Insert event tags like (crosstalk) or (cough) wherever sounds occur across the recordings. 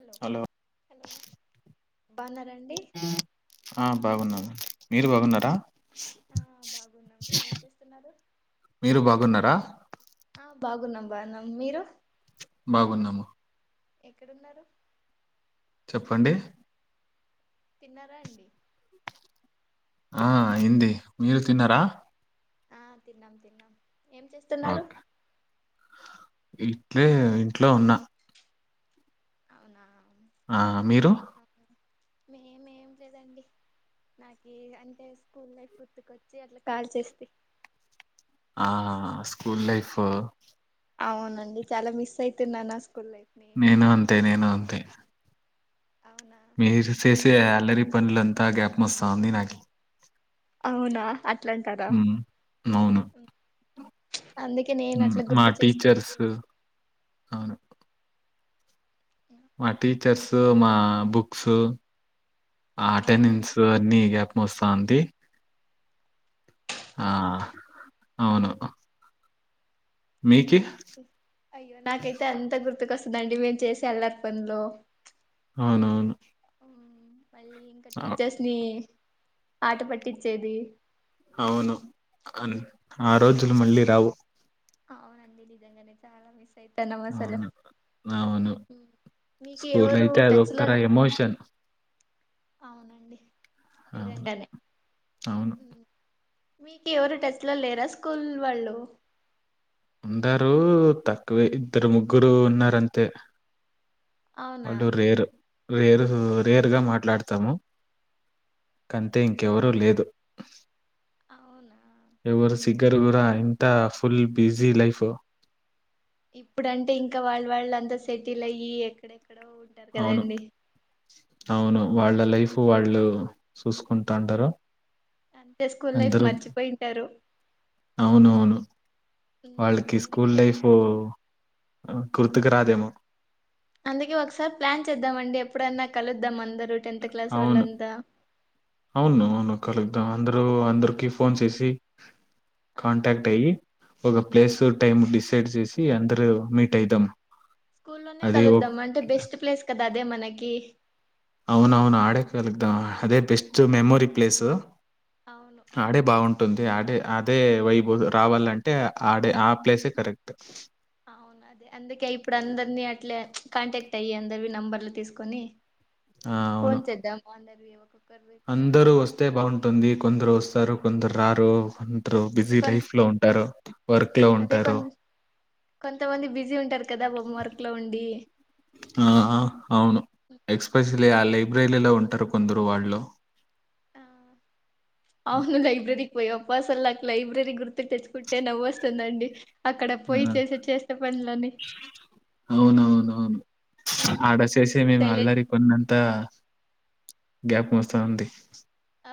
Hello hello బాగున్నారా అండి ఆ బాగున్నాను మీరు బాగున్నారా ఆ బాగున్నాం ఏం చేస్తున్నారు మీరు బాగున్నారా ఆప్ బాగున్నాం బా న మీరు బాగున్నాము ఎక్కడున్నారు చెప్పండి తిన్నారా అండి ఆ అయింది మీరు తిన్నారా ఆ తిన్నాం తిన్నాం ఏం చేస్తున్నారు ఓకే ఇట్లే ఇంట్లో ఉన్నా అవునా ఆ మీరు మేమేం లేదండి నాకి అంటే స్కూల్ లైఫ్ గుర్తుకొచ్చి అట్లా కాల్ చేస్తి ఆ స్కూల్ లైఫ్ అవునండి చాలా మిస్ అయితున్నాన నేను అంతే నేను అంతే అవునా మీరు అందుకే చేసే అల్లరి పనులు అంత గ్యాప్ మస్తాంది నాకి అవునా అ ఉ అవును అందుకే నేను అట్లా మా గుర్తు చేసుకొని టీచర్స్ చేస్త అవును మా టీచర్స్, మా బుక్స్ ఆ అ అవు టెనిన్స్ అన్ని వస్తాంది ఆ అవునా అవును మీకిి అయ్యో నాకైతే అంత గుర్ కస్త దండి మేము చేసే అల్లరి పనిలో అవున అవును మళ్ళీ ఇంకా టీచర్స్ ని ఆట పట్టించేది. అవును అను ఆ రోజులు మళ్ళీ రావు. అవునండి ఇదంగానే చాలా మిస్ అయితాన్నాం అసలు అవును అవును మీకు స్కూల్ ఎవరు అయితే టచ్ లో అదితార ఎమోషన్ అవునండి అవును నిజంగానే అవును మీకు ఎవరు టెస్ట్లు లేరా స్కూల్ వాళ్ళు ఉన్నారుా తక్కువే ఇద్దరు, ముగ్గురు ఉన్నారంతే. అవునా వాళ్ళు రేరు రేరు రేర్ గా మాట్లాడుతారు. ము కంతే ఇంకెవరూ లేదు. అవునా ఎవరు సిగ్గర్ గురా ఇంత ఫుల్ బిజీ లైఫ్ ఇప్పుడుంటే ఇంకా వాళ్ళ వాళ్ళ అంతా సెటిల్ అయ్యి ఎక్కడె అవును అవును వాళ్ళ లైఫ్ వాళ్ వాు చూసుకుంటా అంటారు అంటే స్కూల్ లైఫ్ మర్చిపోయింటారు. అవునవును వాళ్ళకి స్కూల్ అందుకే లైఫ్ కుర్తుకు రాదేమో. అందుకే ఒకసారి ప్లాన్ చేద్దామండి. ఎప్పుడైన్నా కలుద్దాం అందరు అవును అవును అవును ఉహు కరెక్ట్ అందరు అందరికి ఫోన్ చేసి ఆ కాంటాక్ట్ అయ్యి ఒక ప్లేస్ టైం డిసైడ్ చేసి అందరు మీట్ అయిదాం స్కూల్లోనే అది ఓ కలుద్దాం అంటే బెస్ట్ ప్లేస్ కదా అదే మనకి అవును అవును ఆడే కాలదాం అదే బెస్ట్ మెమోరి ప్లేస్ అవును ఆడే బాగుంటుంది అడే అదే వైభో రావాలంటే ఆడే ఆ ప్లేసే కరెక్ట్ అవును అదే అందుకే ఇప్పుడు అందరిని అట్లే కాంటాక్ట్ అయ్యి అందరువి నంబర్లు తీసుకొని ఆ! అవును. ఫోన్ చేద్దాం అందరికి వి యోకో అందరూ వస్తే బాగుంటుంది కొందరు వస్తారు కొందరు రరూ కొందరు అంటే బిజీ కొ లైఫ్ లో ఉంటారు వర్క్ లో అదే కొ ఉంటారు కొంతమంది బిజీ ఉంటారు కదా హోం వర్క్ లో ఉండి ఆ అవును ఉహు. ఎక్స్పెషలీ ఆ లే ఉగ్రైలేలో ఉంటారు కొందరు వాళ్ళు ఆ అవును లైబ్రరీ పోయి అప్పసలు నాకు లైబ్రరీ గుర్తు తెచ్చుకుంటే నవ్వు వస్తుందండి ఆ అవునవునవును ఆడ చేసి మేమి సైలెంట్ అల్లరి కొన్నంత గ్యాపు మస్తా అంది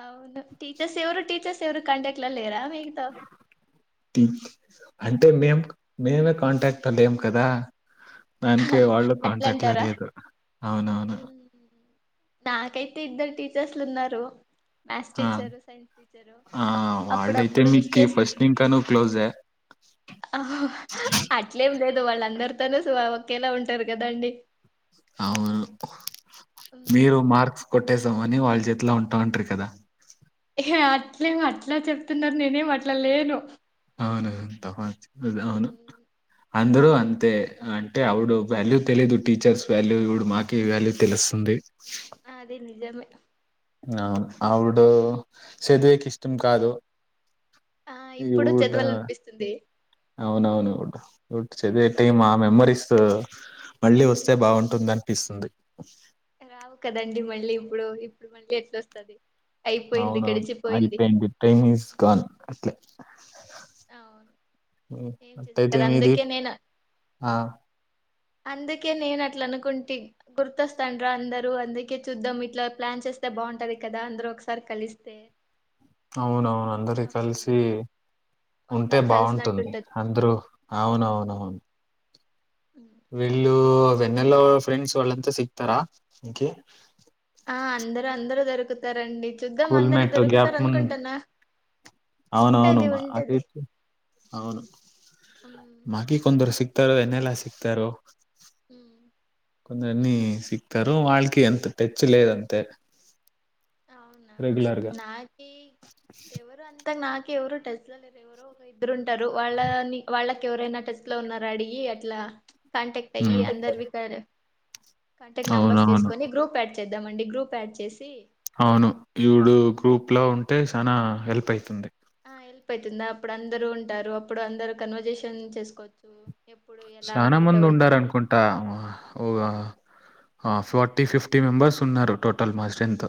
అవును టీీచర్స్ ఎవరు టీచర్స్ ఎవరు కంట్యాక్ట్ లో లేరా మీతో అమ్ ఆ అంటే మేం మేమే కాంటాక్ట్ లో లేం కదా నన్కి వాళ్ళు అట్లా కాంటాక్ట్ లో అంటారా లేరు అవునవును నాకైతే ఇద్దరు టీచర్స్లు ఉన్నారు మ్యాథ్స్ ఆ! టీచరు సైన్స్ టీచరు ఆ! వాళ్ళైతే అప్పుడప్పుడు విష్ ఆ మీకి చేస్త ఫస్ట్ ఇంకా నువ్వు క్లోజే. అట్లే లేదు వాళ్ళ అందరి తోను సమ ఎలా ఉంటారు కదా అండి అవును మీరు మార్క్స్ కొట్టేసాం అని వాళ్ళ చేతిలో ఉంటాంమంటారు కదా అహే అట్లేమ అట్లా చెప్తున్నారు నేనేమి అట్లా లేను అవును తవా అవును ఉమ్, అందరూ అంతే అంటే ఆవిడు వాల్యూ తెలిదు టీచర్స్ వాల్యూ ఇవిడు మాకి వాల్యూ తెలుస్తుంది ఆ అదే నిజమే ఆ ఆవుడు చదువుకి ఇష్టం కాదు ఆ ఇప్పుడు ఈఊడా చదవాలనిపిస్తుంది అవునవును చదివే టైం ఆ మెమ్మరీస్ మళ్ళీ వస్తే బాగుంటుంది అనిపిస్తుంది రావు కదండి మళ్ళీ ఇప్పుడు ఇప్పుడు మళ్ళీ ఎట్ల వస్తుంది అవునవును అలిపెండ్ టైమ్ ఇస్ గన్ అవును ఏం చేసా అట్టేయితే కదా మీది అందుకే నేను ఆ అందుకే నేను అట్లా అనుకుంటి గుర్తొస్తాండ రా అందరూ అందుకే చూద్దాం ఇట్లా ప్లాన్ చేస్తే బాగుంటది కదా అందరూ ఒకసారి కలిస్తే అవునవును అందరి అప్పుడు కలిసి ఉంటే ఒకసారి బాగుంటుంది కలిసినట్టుంటది అందరూ అవునవునవును వీళ్ళు వెన్నెల్లో ఫ్రెండ్స్ వాళ్ళంతా సిక్తారా కే ఆ అందరు అందరూ దొరుకుతారండి చూద్దాం అందరు స్కూల్మేట్ గ్యాప్ దొరుకుతారు ము అనుకుంటున్నా ఉంటది అవునవునుమ్మా ఆ ఉంటది టైప్ అవును ఉమ్ మాకి కొందరు సిక్ చెతారు ఎన్నెలా సిక్తారు హ కొందరున్ని సిక్తారు వాళ్ళకి ఎంత టెచ్ లేదు అంతే అవునా నాకి ఎవరు అంత అత్త నాక ఎవరు టెస్ట్ లో లేరు ఎవరు ఒక ఇద్దరూ ఉంటారు వాళ్ళని వాళ్ళకి ఎవరైనా టెస్ట్ లో ఉన్నార అడిగి అట్లా కాంటెక్ట్ అయ్యి ఉమ్ అందరు వి క కాంటాక్ట్ నంబర్ అవునవును తీసుకని గ్రూప్డ్ ఆడ్ చేద్దామండి గ్రూప్ యాడ్ చేసి అవును ఈడు గ్రూప్ లో ఉంటే చాలా హెల్ప్ అవుతుంది ఆ హెల్ప్ అయితుందా అప్పుడు అందరూ ఉంటారు అప్పుడు అందరూ కన్వర్జేషన్ చేసుకోవచ్చు ఎప్పుడు ఎలా చనా మీట్ మంది అవ్వచ్చు ఉండారు అని అనుకుంటా ఓగ ఆ ఫార్టీ ఫిఫ్టీ మెంబెర్స్ ఉన్నారు టోటల్ మా స్ట్రెంత్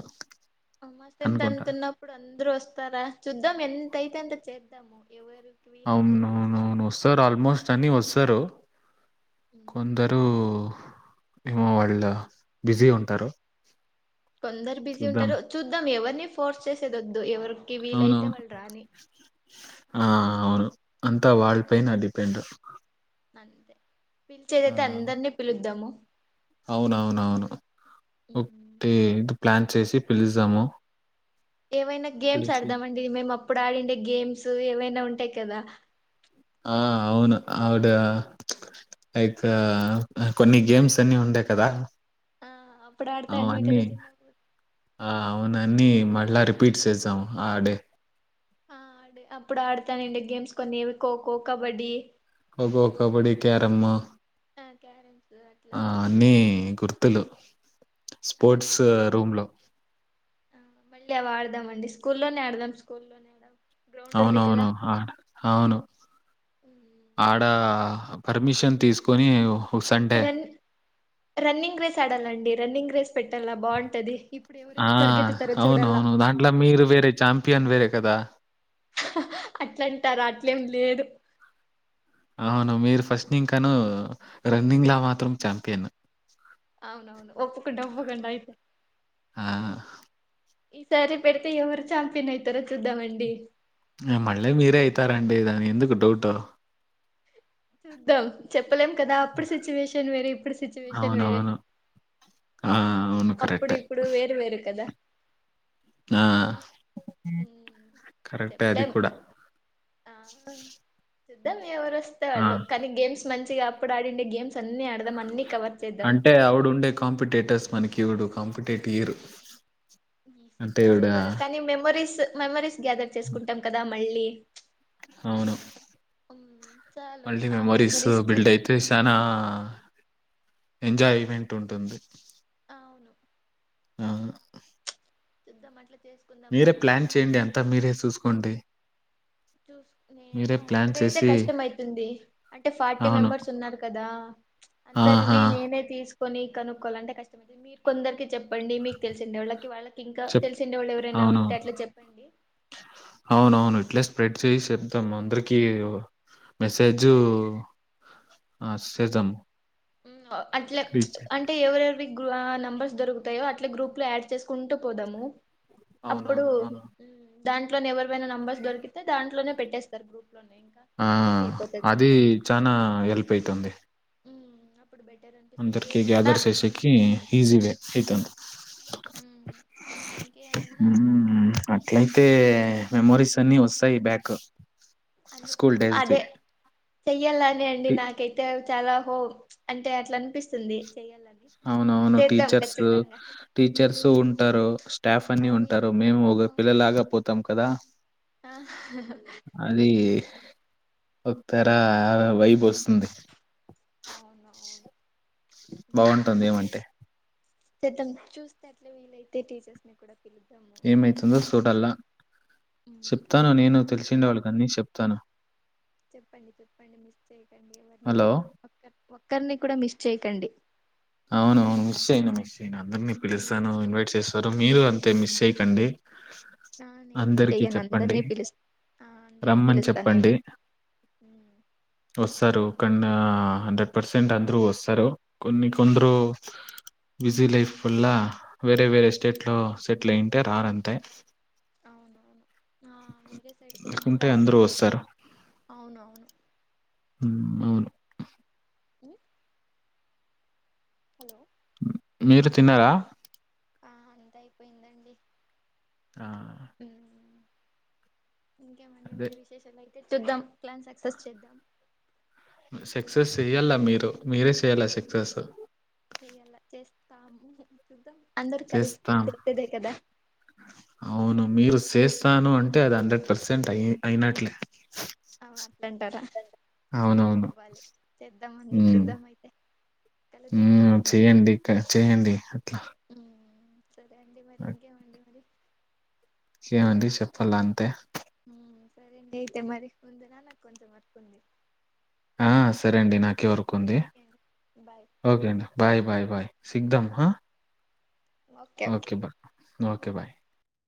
మస్త ఎంత అనుకుంటా అంతతున్నప్పుడు అందరూ వస్తారా చూద్దాం ఎంత అైతే అంత చేద్దాము ఎవరు అవునువునువును వస్తారు ఆల్మోస్ట్ అన్ని వస్తారు ఉమ్ కొందరు ఏమో వాళ్ళు బిజీ ఉంటారు కొందరు బిజీ చూద్దాం ఉంటారు చూద్దాం ఎవరిని ఫోర్స్ చేసే వొద్దు ఎవరు కి అవునవును వీలైతే వాళ్ళు రాని ఆ అవును అంత వాళ్పైై నా డిపెండ్ అంతే ఆ! పిలిచేదైతే అందరినీ పిలుద్దాము అవునవునవును ఉమ్, వత్తే ప్లాన్ చేసి పిలుజ్జాము. ఏవైనా గేమ్స్ ఆడదామండి మేము అప్పుడు ఆడిండే గేమ్స్ ఏమైనా ఉంటాయి క కదా ఆ అవును ఆవిడ లైక్ కొన్ని గేమ్స్ అన్ని ఉండే కదా ఆ అప్పుడు ఆడుతాంటిమే కద అవన్నీ చిన్నప్పుడు అన్నన్ని మళ్ళా రిపీట్ సేసాం ఆడే ఆ ఆడే అప్పుడు ఆడతాన్నిండే గేమ్స్ కొన్ని కోకో కబడ్డీ కోకో కబడ్డీ క్యారమ్ ఆ క్యారమ్స్ అట్లా ఆ అన్నీ గుర్తు ర్తులు. స్పోర్ట్స్ అవన్నీ అవి రూమ్ లో మల్లి ఆడదామండి స్కూల్లోనే ఆడదాం స్కూల్లోనే ఆడ అవునవును హా అవును ఉమ్, ఆడ బాగుంటది పర్మిషన్ తీసుకు తీసుకొని సండే రన్ రన్నింగ్ రేస్ ఆడాలండి రన్నింగ్ రేస్ పెట్టాలా బాంటది. ఆ అవునువును దాంట్లో మీరు వేరే చాంపియన్ వేరే కదా అట్లంటారు అట్లేం లేదు. అవును మీరు ఫస్ట్ ఇంకాను రన్నింగ్ లా మాత్రం చాంపియన్ అవునవును ఒప్పుకుంట ఒప్పుకుంట అయితే ఆ ఈసారి పెడితే ఎవరు ఛాంపియన్ అవుతారో చూద్దామండి. ఇంగ మళ్ళీ మీరే అయితారండి దానికి ఎందుకు డౌట్ చూద్దాం చెప్పలేం కదా అప్పుడు సిచ్యువేషన్ వేరే ఇప్పుడు సిచ్యువేషన్ వేరే అవునవును. ఆ అవును. అప్పుడు కరెక్టే. ఇప్పుడు వేరు వేరు కదా ఆ ఉమ్, కరెక్టే అది చెప్పలేం కూడా ఆ చూద్దాం ఎవ్వరో వస్తే ఆ! వాళ్ళు కానీ గేమ్స్ మంచి ఇగ అప్పుడాడిండే గేమ్స్ అన్ని అడ్ అంటే ఆవుడు ఉండే కాంపిటేటర్స్ మనకి ఇవుడు కాంపిటేటివ్ ఇయరు సరే ఇవర కానీ మెమరీస్ మెమరీస్ గ్యాదర్ చేసుకుంటాం కదా మళ్ళీ అవును మ్మ్ చాలు మల్టీ ఆ మెమొరీస్ మెమరీస్ చూ బిల్డ్ అయితే శానా ఎంజాయ్ ఈవెంట్ ఉంటుంది అవును ఆ అందుకే చూద్దాం అట్లే మీరే ప్లాన్ చెయ్యండి అంతా మీరే సుసుకోండి నేను ప్లాన్ ఒక్కరైతే చేసి కష్టం అవుతుంది అంటే ఫార్టీ అవును. మెంబర్స్ ఉన్నారు కదా ఆహా! అందరివి నేనే తీసుకు కొని కనుక్కోవాలంటే కష్టమైతది మీరు కొందరికి చెప్ ప్పండి మీకు తెలిసిండే వాళ్ళకి వాళ్ళకి ఇంకా చెప్ తెలిసిండే వాళ్ళు ఎవరైనా ఉంటే అవునవును. అట్లా చెప్పండి ఇట్లా స్ప్రెడ్ మ్మ్ చేసి చెప్దాం అందరి కి మెసేజ్ సేద్దాం అట్లే అంటే ఎవరెవరివి అ నెంబర్స్ దొరుకుతాయో అట్లే గ్రూప్ లో యాడ్ చేసుకుంటూ పోదాము అప్పుడు అవునవును. ఆ! దాంట్లో ఎవరైనా నెంబర్స్ దొరికితే దాంట్లోనే పెట్టేస్తారు గ్రూప్ లోనే ఇంకా ఆ ఈజీ అయిపోతది అది మాకి అప్పుడు చనా హెల్ప్ అయితుంది అప్పుడు బెటర్ అనిపిస్తుంది అందరికీ ఇంకేమున్నా గ్యాదర్ సెసేకి ఈసీ వే అయితది మనకి ఇంకేమున్నా ఉహుం అట్లయితే మెమోరీస్ అన్ని వస్తాయి బ్యాక్ అ స్కూల్ డేస్‌ది. అదే చెయ్యాలని ఉంది టి నాకైతే చాలా హో అంటే అట్లా అనిపిస్తుంది చెయ్యాలని అవునవును చేద్దాం టీచర్స్ ఖచ్చితంగా టీచర్స్ ఉంటారు స్టాఫ్ అని ఆ వీలు ఉంటారు మేము ఒక పిల్ల లాగా పొ త్తం కదా ఆ అది అబ్ తర ఆమె వైబ్ వస్తుంది అవును అవును బాగుంటుంది ఏమంటే చేద్దాం చూస్తే అట్లా వీలయితే టీచర్స్ ని కూడా పిలుద్దాము ఏమైతుందో ఉంటారేమో అక్కడే చూడల్లా చెప్తాను నేను తెలిసినా వాళ్ళకి అన్ని చెప్ తను చెప్పండి చెప్పండి మిస్ హలో చేయక్ ఒక్కరిని కూడా మిస్ చేయకండి అవునవును మిస్ చేయను మిస్ నేను అందరినీ పిలుస్తాను ఇన్వైట్ చేస్తాను మీరు టె మిస్సయి కండి ఆ నేనేం అందరికి చెయ్యను చెప్పండి అందరినీ పిలుస్ ఆ అందరినీ రమ్మని పిలుస్తా నేను చెప్పండి వస్తారు హండ్రెడ్ పర్సెంట్ అందరూ వస్తారు కొన్ని కొందరు బిజీ లైఫ్ వల్ల వేరే వేరే స్టేట్లో సెటిల్ అయ్యుంటే రారంతే అవునవును ఆ వేరే సైడ్ పోయింటే లేకుంటే రారు అందరూ వస్తారు అవునవును ఉమ్ అవును ఉ హలో మీరు తిన్నారా ఆ అంత అయిపోయిందండి ఆ ఇంకేమండి అదే మరి విశేషాలై చూద్దాం ప్లాన్ సక్సెస్ చేద్దాం సక్సెస్ చెయ్యలా మీరు మీరే సేయలా చూద్దాం సక్సెస్ సు తాము ఉహు చూద్దాం అందరు కలిస్తే చేస్తాం చేసేదే కదా అవును మీరు చేస్తాను అంటే అది హండ్రెడ్ పర్సెంట్ అయి అయినట్లే అ అట్లాంటార అవునవును అవ్వాలి చేద్దామ అండి ఉమ్ చూద్దామ అయితే కలుద్దాం ఒక ఉమ్ రోజ అయితే చేయండి ఇక చేయండి అట్లా ఉమ్ సరే అండి మరి ఇంకేవండి మరి చేమండి చెప్పాల అంతే ఉమ్ సరే అండి అయితే మరి ఉండున నాకు కొంచెం వర్కుంది (inaudible) ఆ సరే అండి నాకేవరు కుంది ఓకే అండి బాయ్ ఓకే అండి బాయ్ బాయ్ బాయ్ సిగ్ దామ్ హా ఓకే బా ఓకే బాయ్